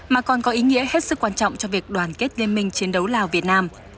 mà còn có ý nghĩa hết sức quan trọng cho việc đoàn kết liên minh chiến đấu lào việt nam